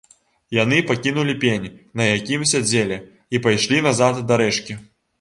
Яны пакінулі пень, на якім сядзелі, і пайшлі назад да рэчкі.